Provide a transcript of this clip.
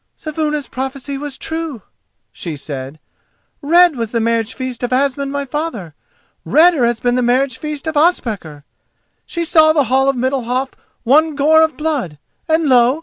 "Saevuna's prophecy was true," she said, "red was the marriage feast of Asmund my father, redder has been the marriage feast of Ospakar! She saw the hall of Middalhof one gore of blood, and lo!